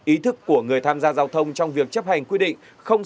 ý thức của người tham gia giao thông trong việc chấp hành quy định